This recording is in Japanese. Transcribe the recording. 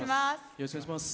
よろしくお願いします。